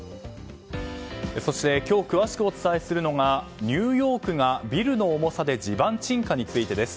そして、今日詳しくお伝えするのがニューヨークがビルの重さで地盤沈下？についてです。